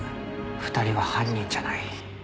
２人は犯人じゃない。